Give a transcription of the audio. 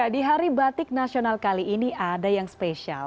di hari batik nasional kali ini ada yang spesial